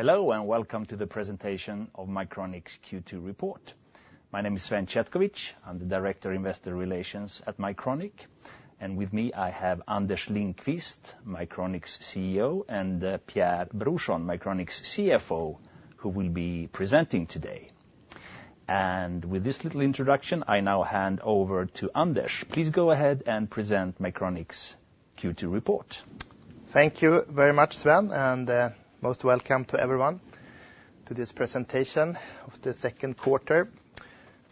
Hello and welcome to the presentation of Mycronic's Q2 report. My name is Sven Chetkovich. I'm the Director of Investor Relations at Mycronic, and with me I have Anders Lindqvist, Mycronic's CEO, and Pierre Brorsson, Mycronic's CFO, who will be presenting today, and with this little introduction, I now hand over to Anders. Please go ahead and present Mycronic's Q2 report. Thank you very much, Sven, and most welcome to everyone to this presentation of the second quarter,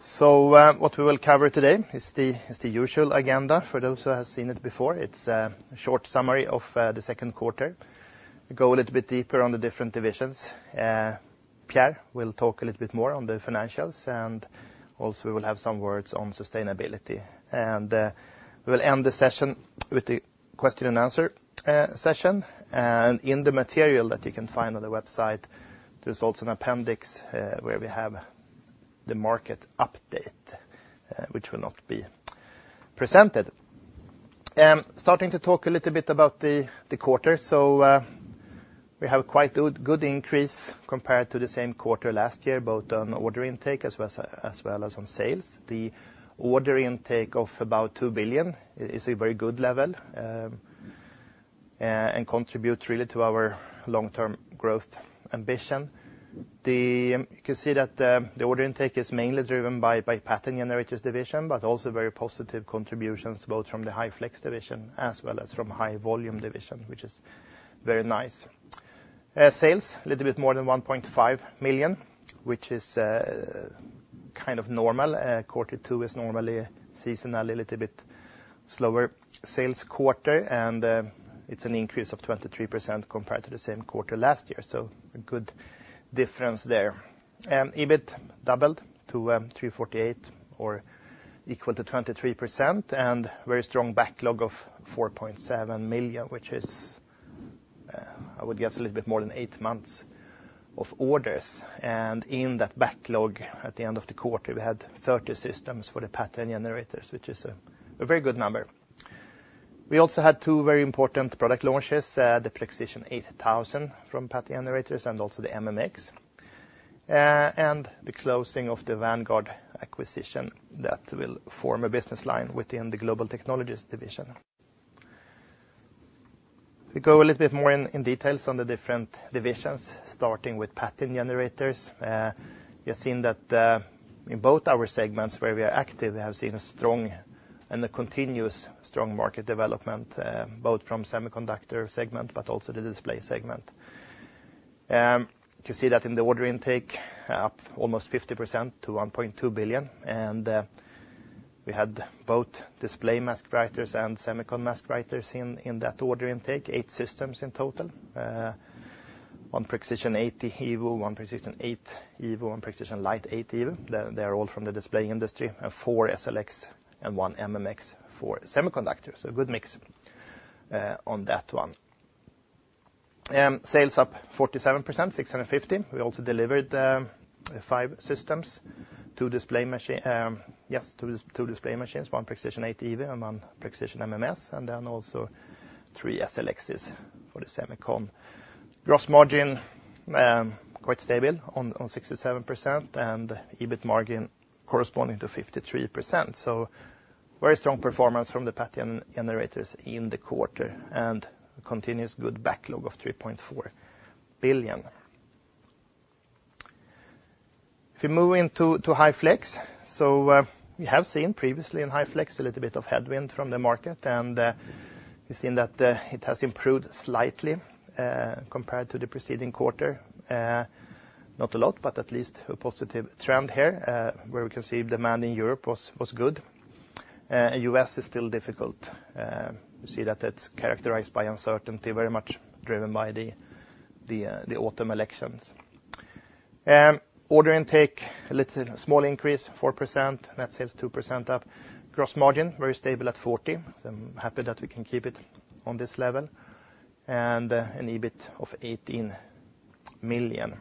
so what we will cover today is the usual agenda for those who have seen it before. It's a short summary of the second quarter. We go a little bit deeper on the different divisions. Pierre will talk a little bit more on the financials, and also we will have some words on sustainability, and we will end the session with the question and answer session, and in the material that you can find on the website, there's also an appendix where we have the market update, which will not be presented. Starting to talk a little bit about the quarter, so we have quite a good increase compared to the same quarter last year, both on order intake as well as on sales. The order intake of about 2 billion is a very good level and contributes really to our long-term growth ambition. You can see that the order intake is mainly driven by Pattern Generators division, but also very positive contributions both from the High Flex division as well as from High Volume division, which is very nice. Sales, a little bit more than 1.5 million, which is kind of normal. Quarter two is normally seasonal, a little bit slower sales quarter, and it's an increase of 23% compared to the same quarter last year. So a good difference there. EBIT doubled to 348 or equal to 23%, and very strong backlog of 4.7 million, which is, I would guess, a little bit more than eight months of orders. In that backlog, at the end of the quarter, we had 30 systems for the Pattern Generators, which is a very good number. We also had two very important product launches, the Prexision 8000 from Pattern Generators and also the MMS, and the closing of the Vanguard acquisition that will form a business line within the Global Technologies division. We go a little bit more in details on the different divisions, starting with Pattern Generators. You've seen that in both our segments where we are active, we have seen a strong and a continuous strong market development, both from the semiconductor segment but also the display segment. You see that in the order intake, up almost 50% to 1.2 billion. We had both display mask writers and semiconductor mask writers in that order intake, eight systems in total. One Prexision 80 Evo, one Prexision 8 Evo, one Prexision Lite 8 Evo. They are all from the display industry, and four SLX and one MMS for semiconductors. So a good mix on that one. Sales up 47%, 650. We also delivered five systems, two display machines, one Prexision 8 Evo and one Prexision MMS, and then also three SLXs for the semiconductor. Gross margin quite stable on 67% and EBIT margin corresponding to 53%. So very strong performance from the Pattern Generators in the quarter and continuous good backlog of 3.4 billion. If we move into High Flex, so we have seen previously in High Flex a little bit of headwind from the market, and we've seen that it has improved slightly compared to the preceding quarter. Not a lot, but at least a positive trend here where we can see demand in Europe was good. U.S. is still difficult. You see that it's characterized by uncertainty, very much driven by the autumn elections. Order intake, a little small increase, 4%, net sales 2% up. Gross margin, very stable at 40%. So I'm happy that we can keep it on this level. And an EBIT of 18 million.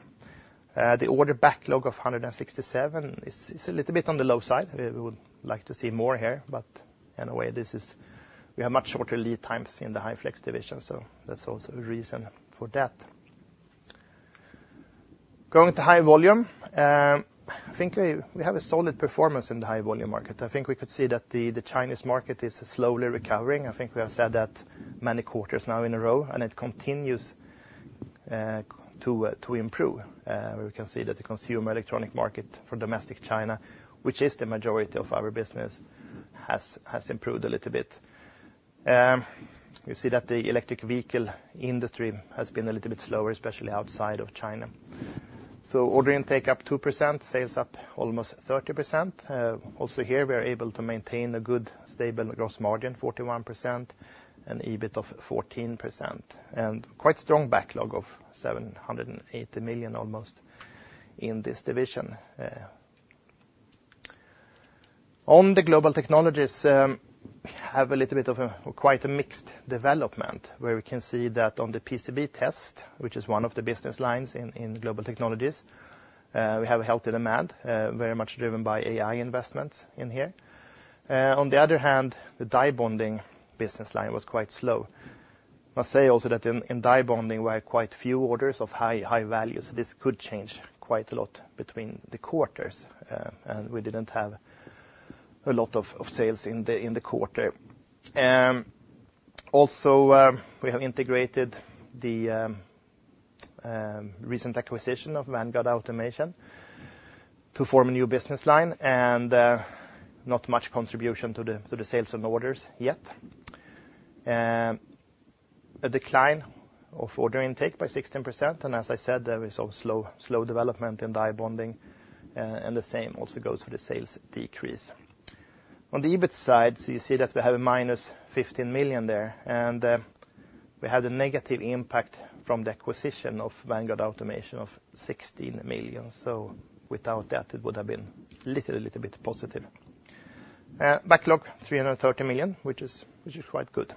The order backlog of 167 is a little bit on the low side. We would like to see more here, but in a way, we have much shorter lead times in the High Flex division, so that's also a reason for that. Going to High Volume, I think we have a solid performance in the High Volume market. I think we could see that the Chinese market is slowly recovering. I think we have said that many quarters now in a row, and it continues to improve. We can see that the consumer electronic market for domestic China, which is the majority of our business, has improved a little bit. You see that the electric vehicle industry has been a little bit slower, especially outside of China, so order intake up 2%, sales up almost 30%. Also here, we are able to maintain a good stable gross margin, 41%, and EBIT of 14%, and quite strong backlog of 780 million almost in this division. On the Global Technologies, we have a little bit of quite a mixed development where we can see that on the PCB test, which is one of the business lines in Global Technologies, we have a healthy demand, very much driven by AI investments in here. On the other hand, the die bonding business line was quite slow. I must say also that in die bonding, we had quite few orders of high value, so this could change quite a lot between the quarters, and we didn't have a lot of sales in the quarter. Also, we have integrated the recent acquisition of Vanguard Automation to form a new business line and not much contribution to the sales and orders yet. A decline of order intake by 16%, and as I said, there is also slow development in die bonding, and the same also goes for the sales decrease. On the EBIT side, so you see that we have a minus 15 million there, and we had a negative impact from the acquisition of Vanguard Automation of 16 million, so without that, it would have been a little bit positive. Backlog 330 million, which is quite good.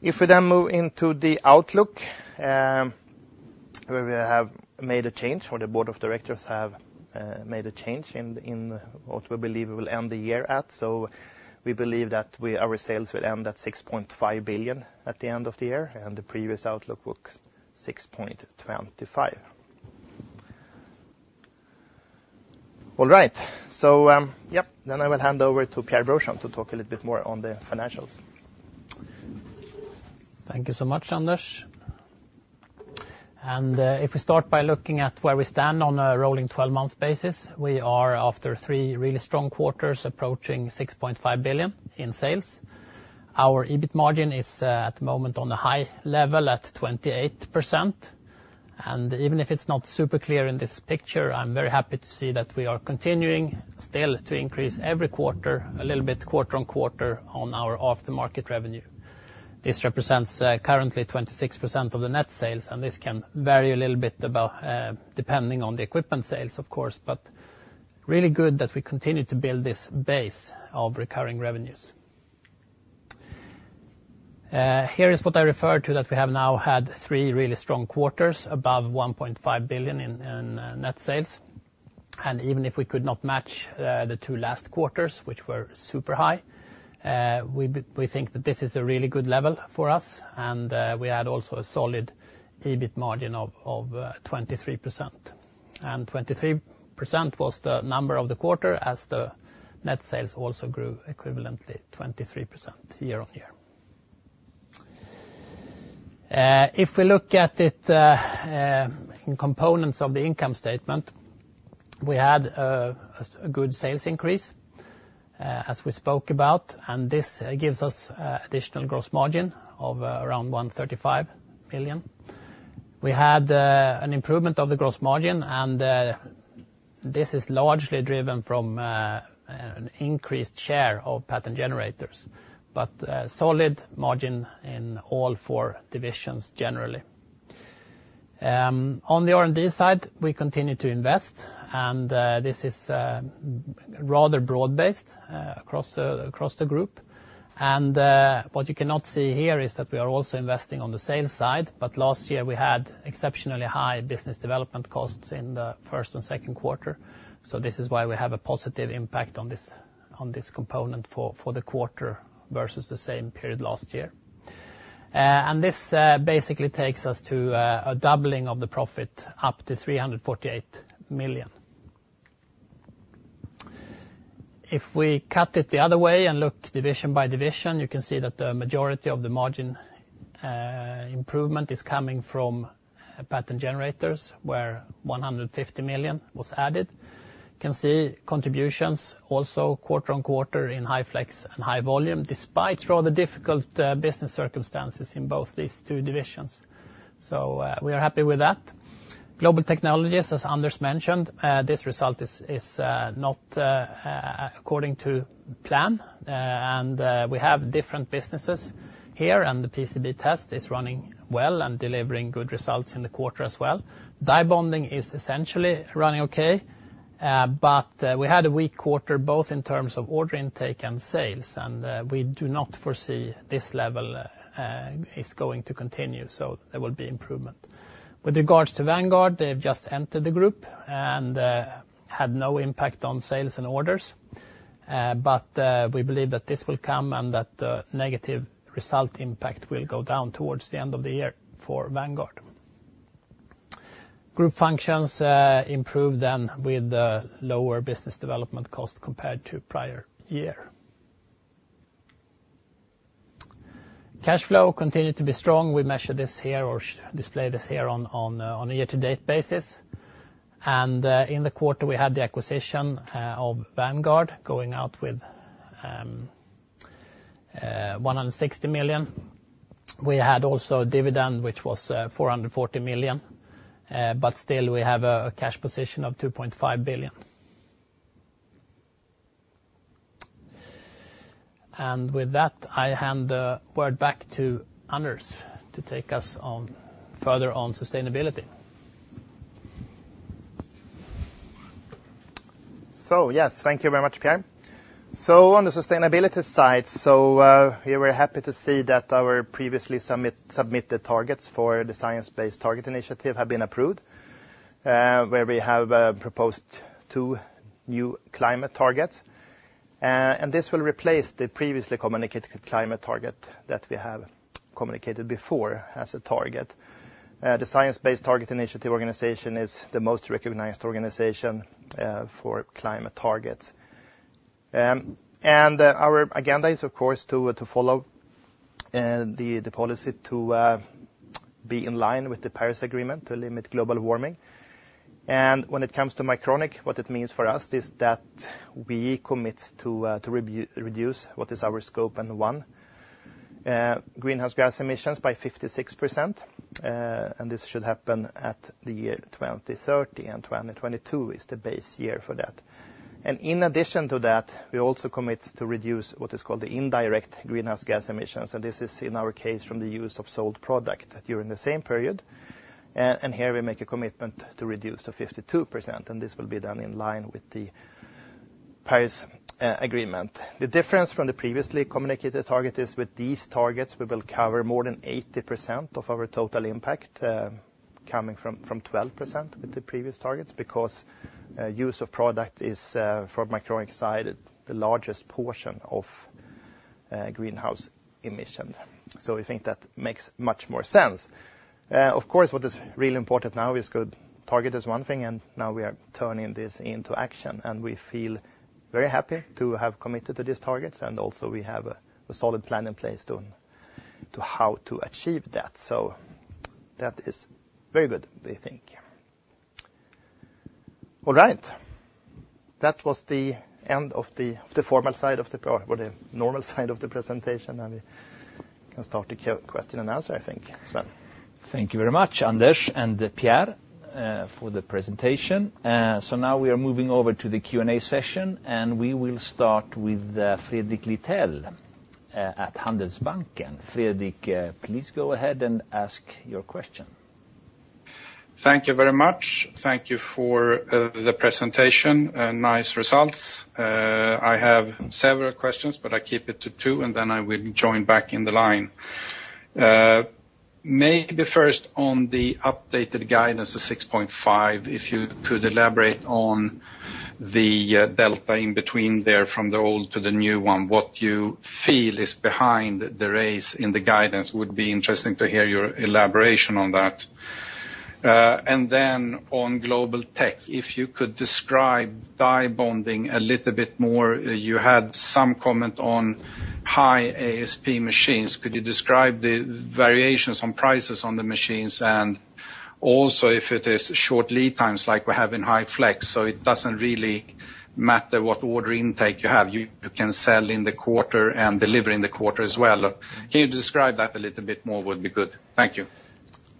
If we then move into the outlook, where we have made a change, or the board of directors have made a change in what we believe we will end the year at. So we believe that our sales will end at 6.5 billion at the end of the year, and the previous outlook was 6.25 billion. All right. So yeah, then I will hand over to Pierre Brorsson to talk a little bit more on the financials. Thank you so much, Anders, and if we start by looking at where we stand on a rolling 12-month basis, we are after three really strong quarters approaching 6.5 billion in sales. Our EBIT margin is at the moment on a high level at 28%, and even if it's not super clear in this picture, I'm very happy to see that we are continuing still to increase every quarter a little bit, quarter on quarter, on our aftermarket revenue. This represents currently 26% of the net sales, and this can vary a little bit depending on the equipment sales, of course, but really good that we continue to build this base of recurring revenues. Here is what I refer to, that we have now had three really strong quarters above 1.5 billion in net sales. And even if we could not match the two last quarters, which were super high, we think that this is a really good level for us, and we had also a solid EBIT margin of 23%. And 23% was the number of the quarter as the net sales also grew equivalently 23% year-on-year. If we look at it in components of the income statement, we had a good sales increase, as we spoke about, and this gives us additional gross margin of around 135 million. We had an improvement of the gross margin, and this is largely driven from an increased share of pattern generators, but solid margin in all four divisions generally. On the R&D side, we continue to invest, and this is rather broad-based across the group. And what you cannot see here is that we are also investing on the sales side, but last year we had exceptionally high business development costs in the first and second quarter. So this is why we have a positive impact on this component for the quarter versus the same period last year. And this basically takes us to a doubling of the profit up to 348 million. If we cut it the other way and look division by division, you can see that the majority of the margin improvement is coming from Pattern Generators, where 150 million was added. You can see contributions also quarter on quarter in High Flex and High Volume, despite rather difficult business circumstances in both these two divisions. So we are happy with that. Global Technologies, as Anders mentioned, this result is not according to plan, and we have different businesses here, and the PCB test is running well and delivering good results in the quarter as well. Die bonding is essentially running okay, but we had a weak quarter both in terms of order intake and sales, and we do not foresee this level is going to continue, so there will be improvement. With regards to Vanguard, they've just entered the group and had no impact on sales and orders, but we believe that this will come and that the negative result impact will go down towards the end of the year for Vanguard. Group functions improved then with lower business development cost compared to prior year. Cash flow continued to be strong. We measure this here or display this here on a year-to-date basis. And in the quarter, we had the acquisition of Vanguard going out with 160 million. We had also a dividend, which was 440 million, but still we have a cash position of 2.5 billion. And with that, I hand the word back to Anders to take us further on sustainability. Yes, thank you very much, Pierre. On the sustainability side, we're happy to see that our previously submitted targets for the Science Based Targets initiative have been approved, where we have proposed two new climate targets. This will replace the previously communicated climate target that we have communicated before as a target. The Science Based Targets initiative organization is the most recognized organization for climate targets. Our agenda is, of course, to follow the policy to be in line with the Paris Agreement to limit global warming. When it comes to Mycronic, what it means for us is that we commit to reduce what is our Scope 1 greenhouse gas emissions by 56%. This should happen at the year 2030, and 2022 is the base year for that. And in addition to that, we also commit to reduce what is called the indirect greenhouse gas emissions, and this is in our case from the use of sold product during the same period. And here we make a commitment to reduce to 52%, and this will be done in line with the Paris Agreement. The difference from the previously communicated target is with these targets, we will cover more than 80% of our total impact coming from 12% with the previous targets because use of product is for Mycronic side, the largest portion of greenhouse emissions. So we think that makes much more sense. Of course, what is really important now is good target is one thing, and now we are turning this into action, and we feel very happy to have committed to these targets, and also we have a solid plan in place to how to achieve that. So that is very good, we think. All right. That was the end of the formal side of the normal side of the presentation, and we can start the question and answer, I think, Sven. Thank you very much, Anders and Pierre for the presentation. So now we are moving over to the Q&A session, and we will start with Fredrik Lithell at Handelsbanken. Fredrik, please go ahead and ask your question. Thank you very much. Thank you for the presentation. Nice results. I have several questions, but I'll keep it to two, and then I will join back in the line. Maybe first on the updated guidance of 6.5, if you could elaborate on the delta in between there from the old to the new one, what you feel is behind the raise in the guidance would be interesting to hear your elaboration on that. And then on Global Technologies, if you could describe die bonding a little bit more. You had some comment on high ASP machines. Could you describe the variations on prices on the machines and also if it is short lead times like we have in High Flex, so it doesn't really matter what order intake you have, you can sell in the quarter and deliver in the quarter as well. Can you describe that a little bit more? Would be good. Thank you.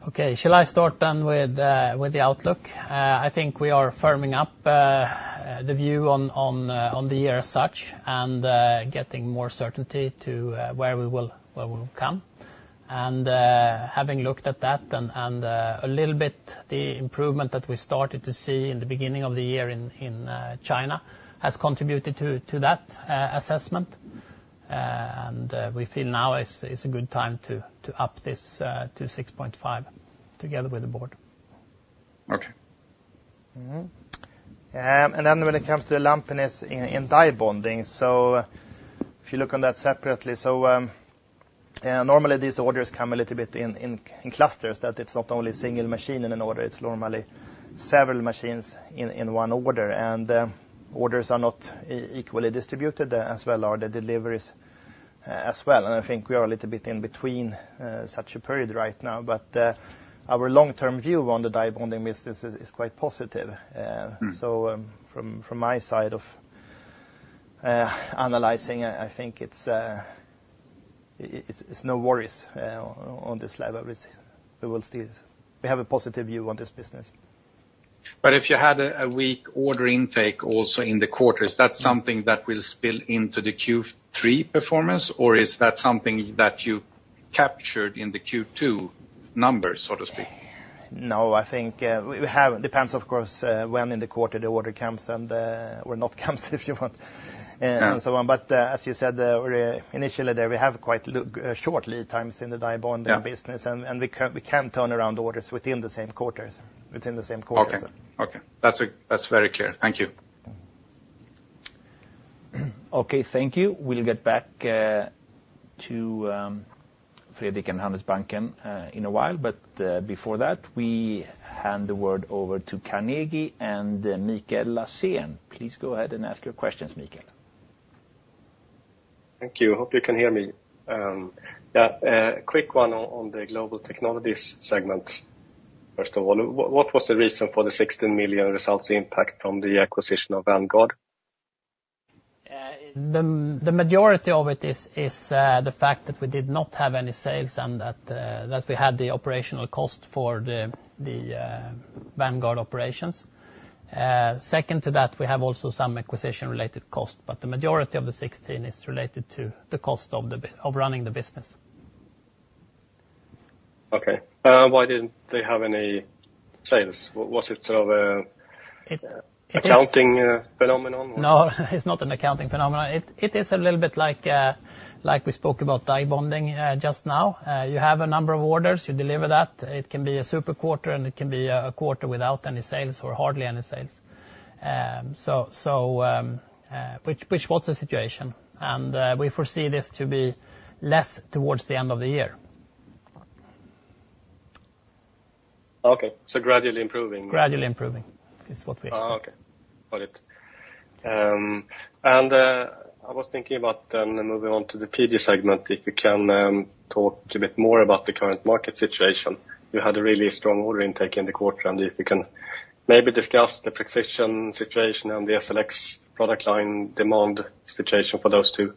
Okay, shall I start then with the outlook? I think we are firming up the view on the year as such and getting more certainty to where we will come, and having looked at that and a little bit the improvement that we started to see in the beginning of the year in China has contributed to that assessment, and we feel now is a good time to up this to 6.5 together with the board. Okay. and then when it comes to the lumpiness in die bonding, so if you look on that separately, so normally these orders come a little bit in clusters, that it's not only a single machine in an order, it's normally several machines in one order, and orders are not equally distributed as well or the deliveries as well, and I think we are a little bit in between such a period right now, but our long-term view on the die bonding business is quite positive, so from my side of analyzing, I think it's no worries on this level. We have a positive view on this business. But if you had a weak order intake also in the quarters, that's something that will spill into the Q3 performance, or is that something that you captured in the Q2 numbers, so to speak? No, I think it depends, of course, when in the quarter the order comes and when not comes, if you want. But as you said initially there, we have quite short lead times in the die bonding business, and we can turn around orders within the same quarters. Okay, okay. That's very clear. Thank you. Okay, thank you. We'll get back to Fredrik and Handelsbanken in a while, but before that, we hand the word over to Carnegie and Mikael Laséen. Please go ahead and ask your questions, Mikael. Thank you. Hope you can hear me. Yeah, quick one on the Global Technologies segment. First of all, what was the reason for the 16 million results impact from the acquisition of Vanguard? The majority of it is the fact that we did not have any sales and that we had the operational cost for the Vanguard operations. Second to that, we have also some acquisition-related cost, but the majority of the 16 is related to the cost of running the business. Okay. Why didn't they have any sales? Was it an accounting phenomenon? No, it's not an accounting phenomenon. It is a little bit like we spoke about die bonding just now. You have a number of orders, you deliver that. It can be a super quarter and it can be a quarter without any sales or hardly any sales. So which was the situation. And we foresee this to be less towards the end of the year. Okay, so gradually improving. Gradually improving is what we expect. Okay, got it, and I was thinking about then moving on to the PG segment, if you can talk a bit more about the current market situation. You had a really strong order intake in the quarter, and if you can maybe discuss the Prexision situation and the SLX product line demand situation for those two.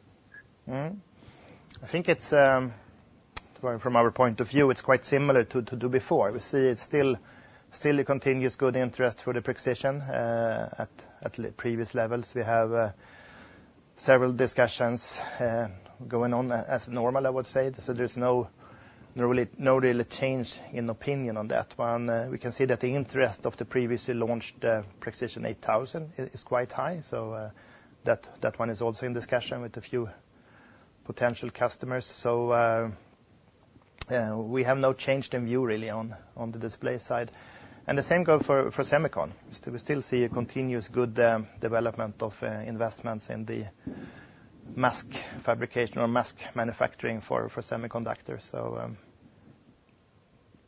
I think from our point of view, it's quite similar to before. We see still continuous good interest for the Prexision at previous levels. We have several discussions going on as normal, I would say. So there's no really change in opinion on that one. We can see that the interest of the previously launched Prexision 8000 is quite high. So that one is also in discussion with a few potential customers. So we have no change in view really on the display side. And the same goes for Semicon. We still see a continuous good development of investments in the mask fabrication or mask manufacturing for semiconductors. So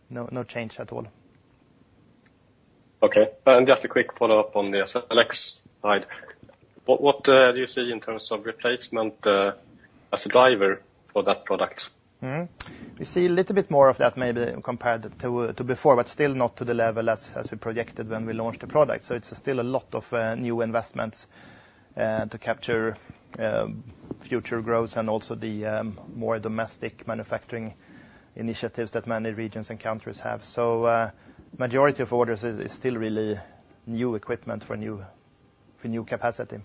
no change at all. Okay, and just a quick follow-up on the SLX side. What do you see in terms of replacement as a driver for that product? We see a little bit more of that maybe compared to before, but still not to the level as we projected when we launched the product. So it's still a lot of new investments to capture future growth and also the more domestic manufacturing initiatives that many regions and countries have. So majority of orders is still really new equipment for new capacity.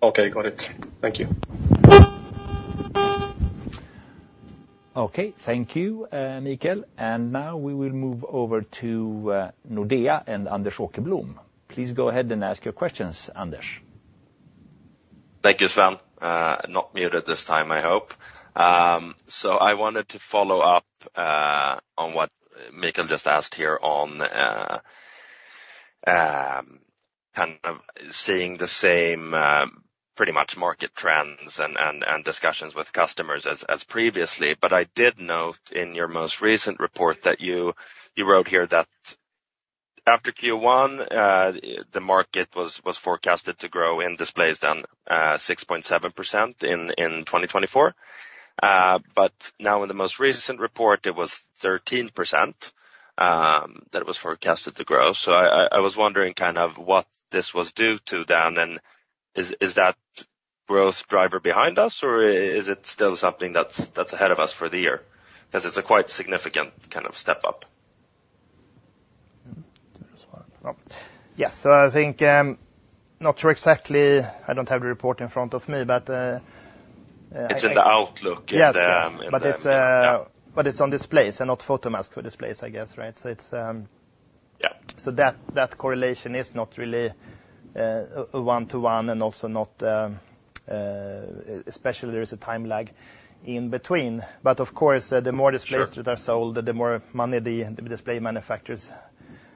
Okay, got it. Thank you. Okay, thank you, Michael. And now we will move over to Nordea and Anders Åkerblom. Please go ahead and ask your questions, Anders. Thank you, Sven. Not muted this time, I hope. So I wanted to follow up on what Mikael just asked here on kind of seeing the same pretty much market trends and discussions with customers as previously. But I did note in your most recent report that you wrote here that after Q1, the market was forecasted to grow in displays, then 6.7% in 2024. But now in the most recent report, it was 13% that it was forecasted to grow. So I was wondering kind of what this was due to then, and is that growth driver behind us, or is it still something that's ahead of us for the year? Because it's a quite significant kind of step up. Yes, so I think. Not sure exactly. I don't have the report in front of me, but. It's in the outlook. Yes, but it's on displays, and not photomask for displays, I guess, right, so that correlation is not really one-to-one, and also not, especially, there is a time lag in between, but of course, the more displays that are sold, the more money the display manufacturers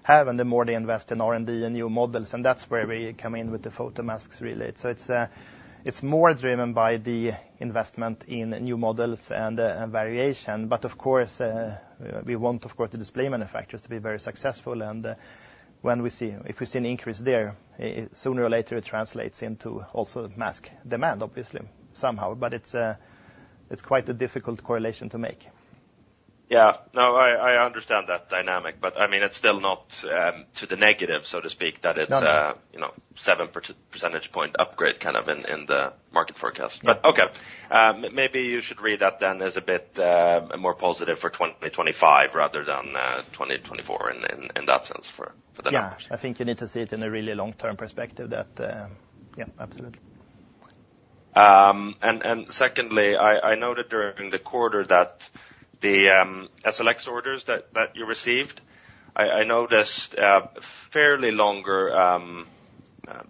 have, and the more they invest in R&D and new models, and that's where we come in with the photomasks related, so it's more driven by the investment in new models and variation, but of course we want the display manufacturers to be very successful, and if we see an increase there, sooner or later it translates into also mask demand, obviously, somehow, but it's quite a difficult correlation to make. Yeah, no, I understand that dynamic, but I mean, it's still not to the negative, so to speak, that it's a seven percentage point upgrade kind of in the market forecast. But okay, maybe you should read that then as a bit more positive for 2025 rather than 2024 in that sense for the market. Yeah, I think you need to see it in a really long-term perspective that, yeah, absolutely. And secondly, I noted during the quarter that the SLX orders that you received, I noticed fairly longer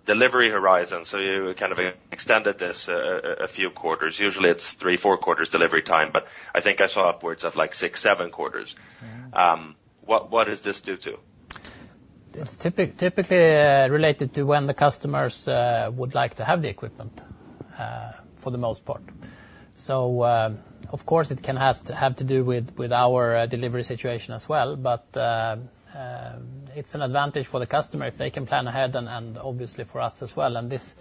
delivery horizon. So you kind of extended this a few quarters. Usually it's three, four quarters delivery time, but I think I saw upwards of like six, seven quarters. What is this due to? It's typically related to when the customers would like to have the equipment for the most part. So of course, it can have to do with our delivery situation as well, but it's an advantage for the customer if they can plan ahead and obviously for us as well. And this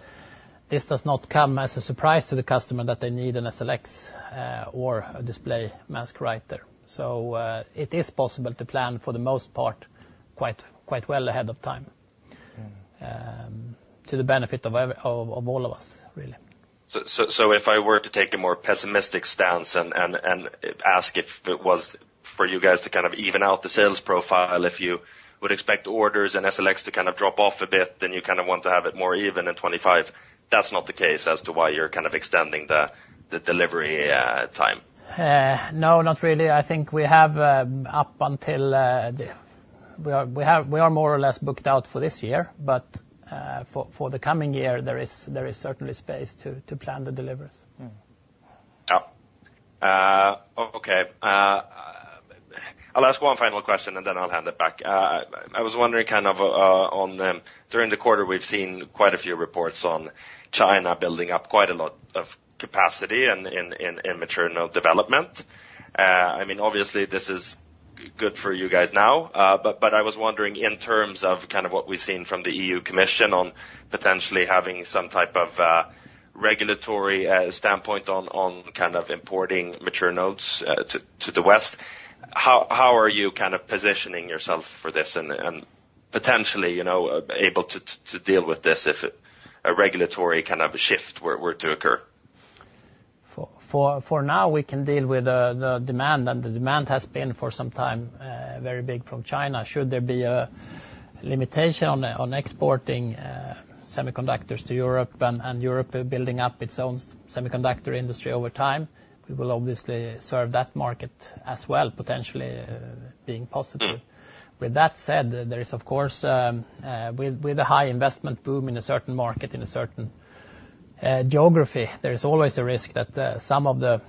does not come as a surprise to the customer that they need an SLX or a display mask writer. So it is possible to plan for the most part quite well ahead of time to the benefit of all of us, really. So if I were to take a more pessimistic stance and ask if it was for you guys to kind of even out the sales profile, if you would expect orders and SLX to kind of drop off a bit and you kind of want to have it more even in 2025, that's not the case as to why you're kind of extending the delivery time. No, not really. I think we have up until we are more or less booked out for this year, but for the coming year, there is certainly space to plan the deliveries. Yeah. Okay. I'll ask one final question and then I'll hand it back. I was wondering kind of during the quarter, we've seen quite a few reports on China building up quite a lot of capacity and industrial development. I mean, obviously this is good for you guys now, but I was wondering in terms of kind of what we've seen from the E.U. Commission on potentially having some type of regulatory standpoint on kind of importing mature nodes to the West. How are you kind of positioning yourself for this and potentially able to deal with this if a regulatory kind of shift were to occur? For now, we can deal with the demand, and the demand has been for some time very big from China. Should there be a limitation on exporting semiconductors to Europe and Europe building up its own semiconductor industry over time, we will obviously serve that market as well, potentially being positive. With that said, there is of course, with a high investment boom in a certain market in a certain geography, there is always a risk that some of the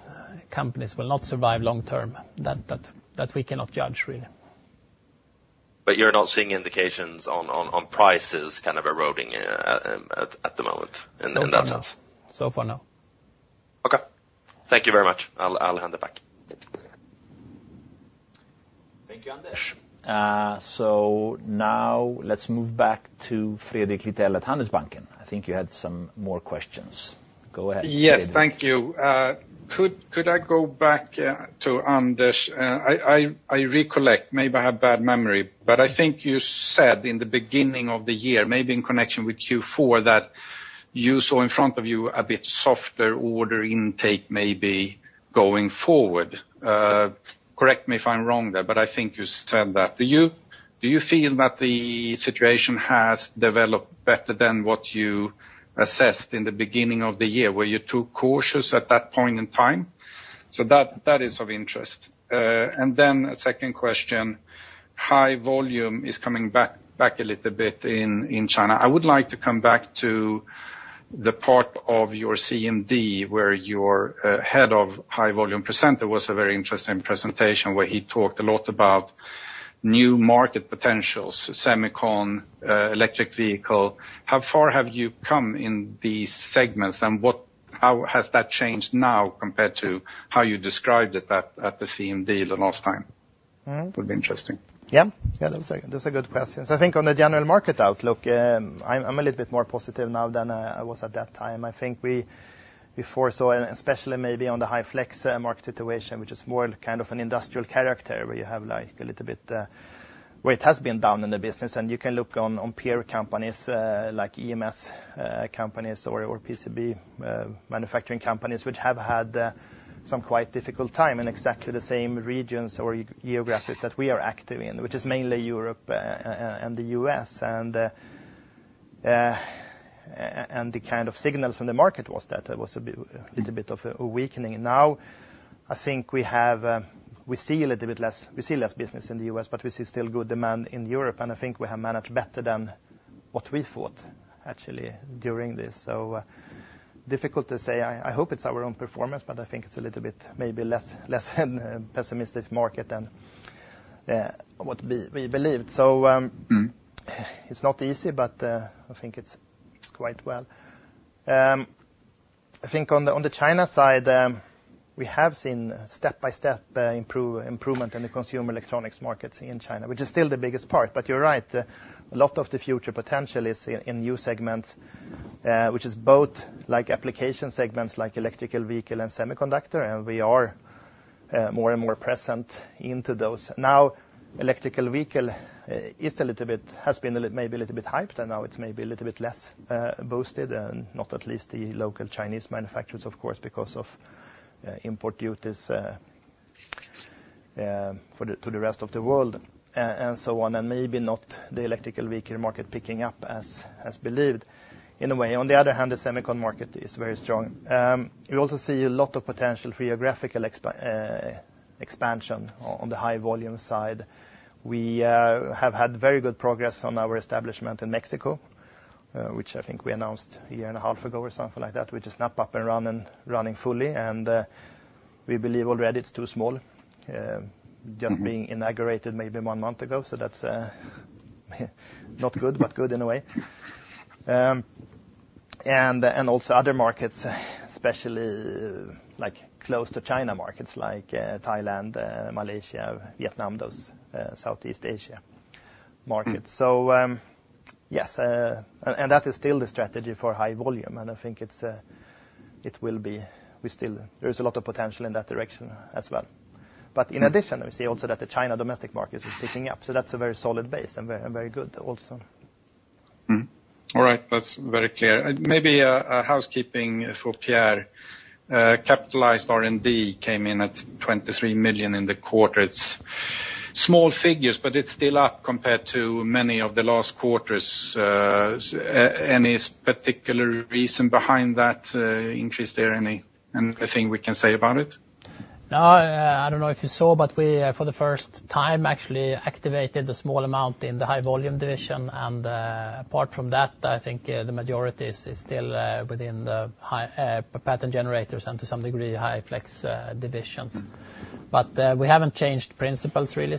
companies will not survive long-term that we cannot judge really. But you're not seeing indications on prices kind of eroding at the moment in that sense? So far, no. Okay. Thank you very much. I'll hand it back. Thank you, Anders. So now let's move back to Fredrik Lithell at Handelsbanken. I think you had some more questions. Go ahead. Yes, thank you. Could I go back to Anders? I recollect, maybe I have a bad memory, but I think you said in the beginning of the year, maybe in connection with Q4, that you saw in front of you a bit softer order intake maybe going forward. Correct me if I'm wrong there, but I think you said that. Do you feel that the situation has developed better than what you assessed in the beginning of the year where you took cautious at that point in time? So that is of interest, and then a second question, high volume is coming back a little bit in China. I would like to come back to the part of your CMD where your head of high volume presenter was a very interesting presentation where he talked a lot about new market potentials, Semicon, electric vehicle. How far have you come in these segments and how has that changed now compared to how you described it at the CMD the last time? It would be interesting. Yeah, yeah, that's a good question. So I think on the general market outlook, I'm a little bit more positive now than I was at that time. I think we foresaw, especially maybe on the High Flex market situation, which is more kind of an industrial character where you have like a little bit where it has been down in the business. And you can look on peer companies like EMS companies or PCB manufacturing companies which have had some quite difficult time in exactly the same regions or geographies that we are active in, which is mainly Europe and the U.S. And the kind of signals from the market was that there was a little bit of a weakening. Now, I think we see a little bit less business in the U.S., but we see still good demand in Europe. And I think we have managed better than what we thought, actually, during this. So, difficult to say. I hope it's our own performance, but I think it's a little bit maybe less pessimistic market than what we believed. So, it's not easy, but I think it's quite well. I think on the China side, we have seen step-by-step improvement in the consumer electronics markets in China, which is still the biggest part. But you're right, a lot of the future potential is in new segments, which is both like application segments like electric vehicle and semiconductor, and we are more and more present in those. Now, electric vehicle has been maybe a little bit hyped, and now it's maybe a little bit less boosted, not least the local Chinese manufacturers, of course, because of import duties to the rest of the world and so on, and maybe not the electric vehicle market picking up as believed in a way. On the other hand, the Semicon market is very strong. We also see a lot of potential for geographical expansion on the High Volume side. We have had very good progress on our establishment in Mexico, which I think we announced a year and a half ago or something like that, which is up and running fully, and we believe already it's too small, just being inaugurated maybe one month ago, so that's not good, but good in a way. And also other markets, especially like close to China markets like Thailand, Malaysia, Vietnam, those Southeast Asia markets. So yes, and that is still the strategy for High Volume. And I think it will be, there's a lot of potential in that direction as well. But in addition, we see also that the China domestic market is picking up. So that's a very solid base and very good also. All right, that's very clear. Maybe a housekeeping for Pierre. Capitalized R&D came in at 23 million in the quarter. It's small figures, but it's still up compared to many of the last quarters. Any particular reason behind that increase there? Anything we can say about it? No, I don't know if you saw, but we for the first time actually activated a small amount in the High Volume division. And apart from that, I think the majority is still within the Pattern Generators and to some degree High Flex divisions. But we haven't changed principles really.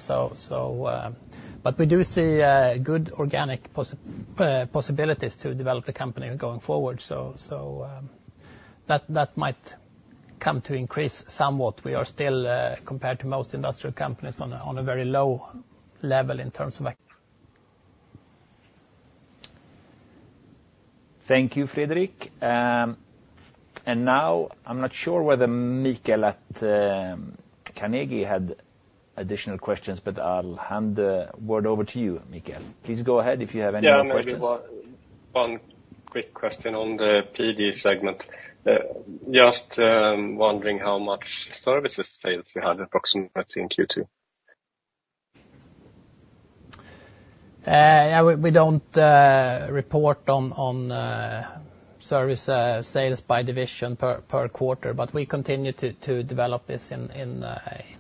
But we do see good organic possibilities to develop the company going forward. So that might come to increase somewhat. We are still compared to most industrial companies on a very low level in terms of. Thank you, Fredrik, and now I'm not sure whether Mikael at Carnegie had additional questions, but I'll hand the word over to you, Mikael. Please go ahead if you have any more questions. Yeah, maybe one quick question on the PG segment. Just wondering how much services sales we had approximately in Q2? Yeah, we don't report on service sales by division per quarter, but we continue to develop this in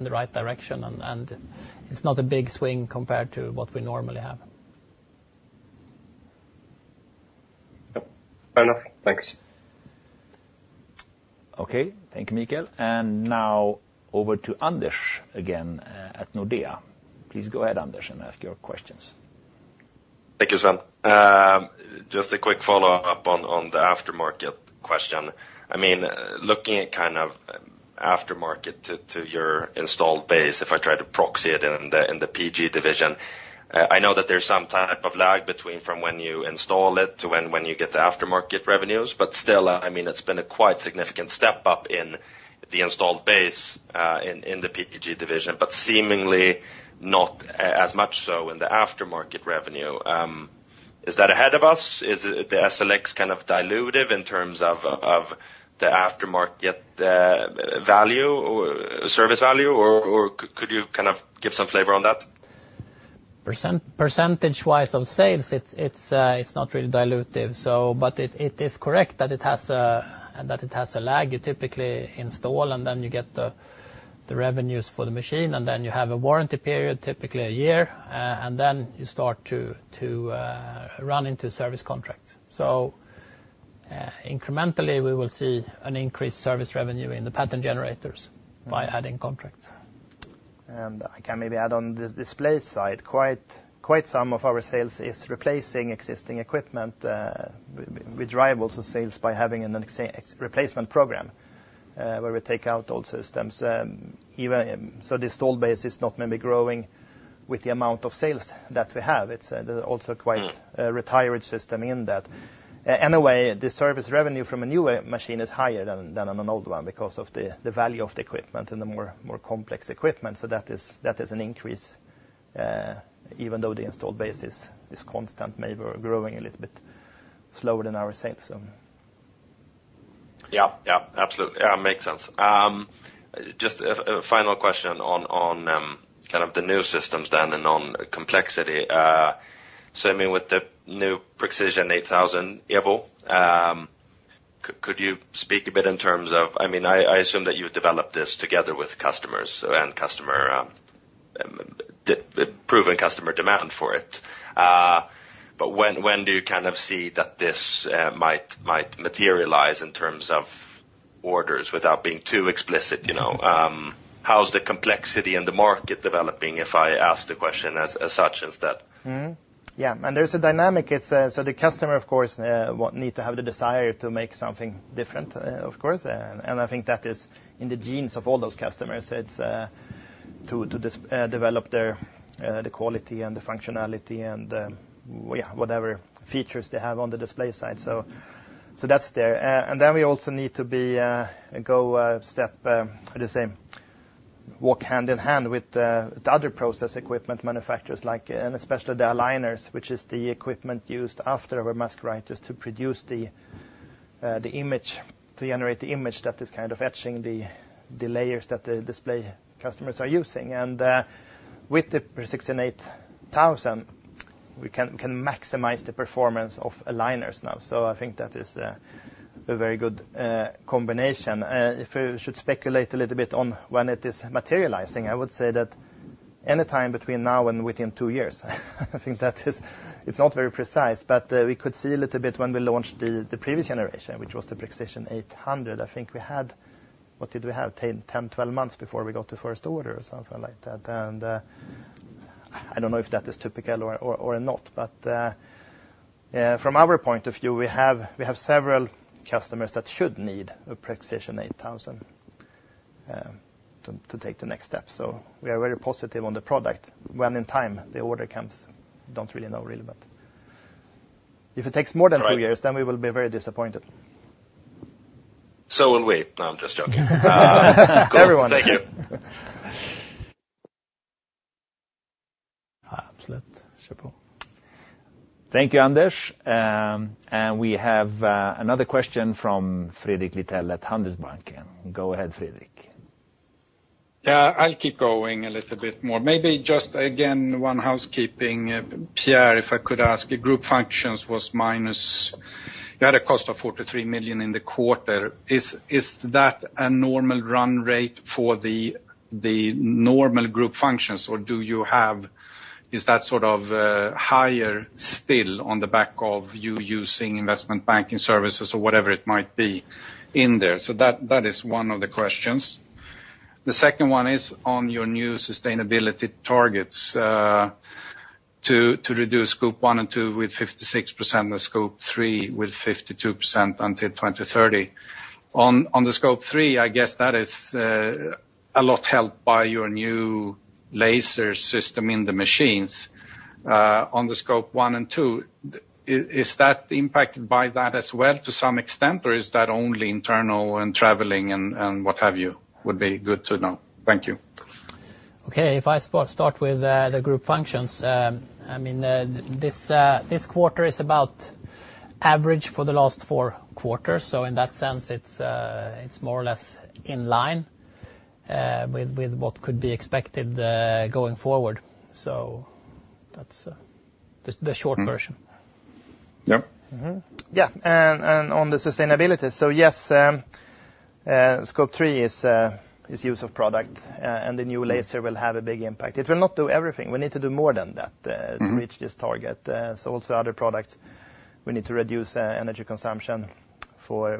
the right direction, and it's not a big swing compared to what we normally have. Yep, fair enough. Thanks. Okay, thank you, Mikael. And now over to Anders again at Nordea. Please go ahead, Anders, and ask your questions. Thank you, Sven. Just a quick follow-up on the aftermarket question. I mean, looking at kind of aftermarket to your installed base, if I try to proxy it in the PG division, I know that there's some type of lag between from when you install it to when you get the aftermarket revenues. But still, I mean, it's been a quite significant step up in the installed base in the PG division, but seemingly not as much so in the aftermarket revenue. Is that ahead of us? Is the SLX kind of dilutive in terms of the aftermarket value, service value, or could you kind of give some flavor on that? Percentage-wise on sales, it's not really dilutive. But it is correct that it has a lag. You typically install and then you get the revenues for the machine, and then you have a warranty period, typically a year, and then you start to run into service contracts. So incrementally, we will see an increased service revenue in the Pattern Generators by adding contracts. And I can maybe add on the display side, quite some of our sales is replacing existing equipment. We drive also sales by having a replacement program where we take out old systems. So the installed base is not maybe growing with the amount of sales that we have. It's also quite a retired system in that. Anyway, the service revenue from a new machine is higher than an old one because of the value of the equipment and the more complex equipment. So that is an increase, even though the installed base is constant, maybe growing a little bit slower than our sales. Yeah, yeah, absolutely. Yeah, makes sense. Just a final question on kind of the new systems then and on complexity. So I mean, with the new Prexision 8000 EVO, could you speak a bit in terms of, I mean, I assume that you've developed this together with customers and proven customer demand for it. But when do you kind of see that this might materialize in terms of orders without being too explicit? How's the complexity in the market developing if I ask the question as such instead? Yeah, and there's a dynamic. So the customer, of course, needs to have the desire to make something different, of course. And I think that is in the genes of all those customers to develop the quality and the functionality and whatever features they have on the display side. So that's there. And then we also need to go a step, I'd say, walk hand in hand with the other process equipment manufacturers, and especially the aligners, which is the equipment used after our mask writers to produce the image, to generate the image that is kind of etching the layers that the display customers are using. And with the Prexision 8000, we can maximize the performance of aligners now. So I think that is a very good combination. If we should speculate a little bit on when it is materializing, I would say that anytime between now and within two years. I think that it's not very precise, but we could see a little bit when we launched the previous generation, which was the Prexision 800. I think we had, what did we have, 10, 12 months before we got the first order or something like that. And I don't know if that is typical or not, but from our point of view, we have several customers that should need a Prexision 8000 to take the next step. So we are very positive on the product. When in time the order comes, don't really know really, but if it takes more than two years, then we will be very disappointed. So will we. No, I'm just joking. Everyone. Thank you. Absolute. Thank you, Anders. And we have another question from Fredrik Lithell at Handelsbanken. Go ahead, Fredrik. Yeah, I'll keep going a little bit more. Maybe just again, one housekeeping. Pierre, if I could ask, group functions was minus. You had a cost of 43 million in the quarter. Is that a normal run rate for the normal group functions, or do you have, is that sort of higher still on the back of you using investment banking services or whatever it might be in there? So that is one of the questions. The second one is on your new sustainability targets to reduce scope one and two with 56% and scope three with 52% until 2030. On the scope three, I guess that is a lot helped by your new laser system in the machines. On the Scope 1 and 2, is that impacted by that as well to some extent, or is that only internal and traveling and what have you? Would be good to know. Thank you. Okay, if I start with the group functions, I mean, this quarter is about average for the last four quarters. So in that sense, it's more or less in line with what could be expected going forward. So that's the short version. Yeah. Yeah, and on the sustainability, so yes, Scope 3 is use of product, and the new laser will have a big impact. It will not do everything. We need to do more than that to reach this target, so also other products, we need to reduce energy consumption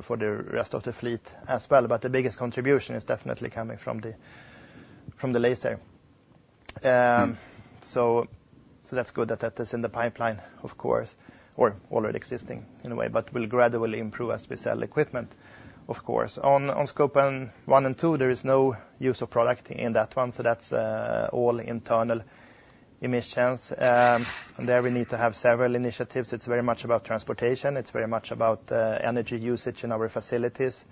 for the rest of the fleet as well. But the biggest contribution is definitely coming from the laser, so that's good that that is in the pipeline, of course, or already existing in a way, but will gradually improve as we sell equipment, of course. On Scope 1 and 2, there is no use of product in that one, so that's all internal emissions, and there we need to have several initiatives. It's very much about transportation. It's very much about energy usage in our facilities.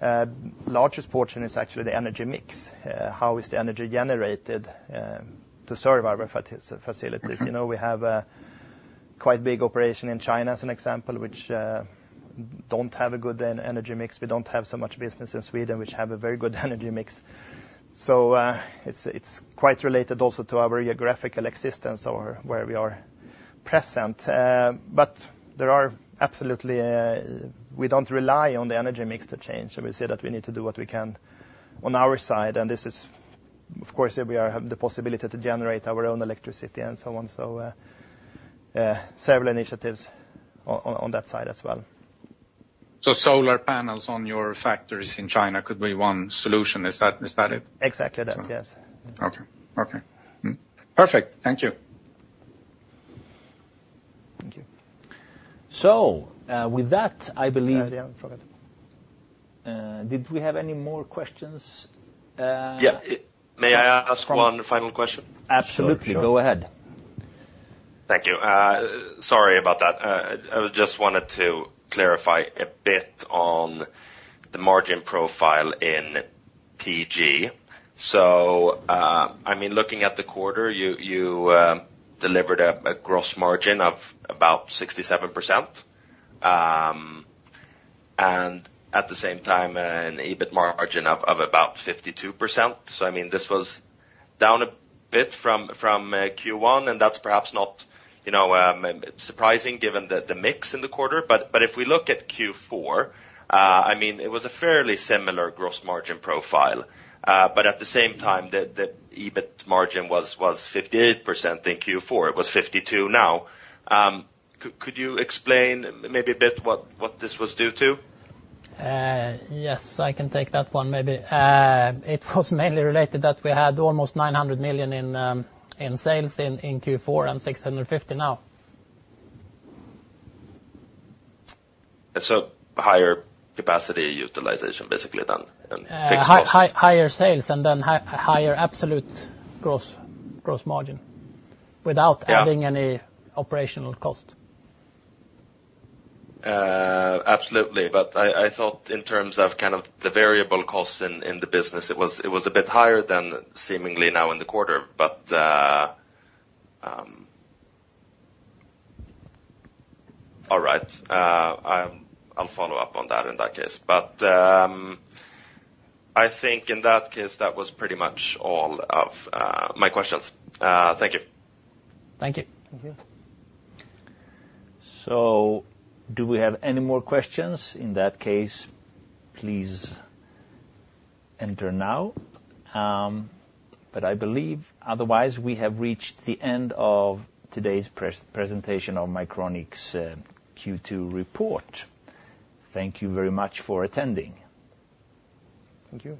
The largest portion is actually the energy mix. How is the energy generated to serve our facilities? We have a quite big operation in China, as an example, which don't have a good energy mix. We don't have so much business in Sweden, which have a very good energy mix, so it's quite related also to our geographical existence or where we are present, but there are absolutely, we don't rely on the energy mix to change, so we say that we need to do what we can on our side, and this is, of course, we have the possibility to generate our own electricity and so on, so several initiatives on that side as well. So solar panels on your factories in China could be one solution. Is that it? Exactly that, yes. Okay, okay. Perfect. Thank you. Thank you. So with that, I believe. Sorry, I forgot. Did we have any more questions? Yeah. May I ask one final question? Absolutely. Go ahead. Thank you. Sorry about that. I just wanted to clarify a bit on the margin profile in PG, so I mean, looking at the quarter, you delivered a gross margin of about 67%, and at the same time, an EBIT margin of about 52%, so I mean, this was down a bit from Q1, and that's perhaps not surprising given the mix in the quarter, but if we look at Q4, I mean, it was a fairly similar gross margin profile, but at the same time, the EBIT margin was 58% in Q4. It was 52% now. Could you explain maybe a bit what this was due to? Yes, I can take that one maybe. It was mainly related that we had almost 900 million in sales in Q4 and 650 now. So higher capacity utilization basically than fixed cost. Higher sales and then higher absolute gross margin without adding any operational cost. Absolutely. But I thought in terms of kind of the variable costs in the business, it was a bit higher than seemingly now in the quarter. All right. I'll follow up on that in that case. But I think in that case, that was pretty much all of my questions. Thank you. Thank you. So do we have any more questions? In that case, please enter now. But I believe otherwise we have reached the end of today's presentation of Mycronic's Q2 report. Thank you very much for attending. Thank you.